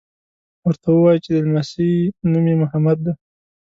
ورته ووایي چې د لمسي نوم یې محمد دی.